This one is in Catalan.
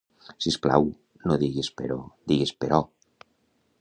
Sisplau, no diguis pero, digues però.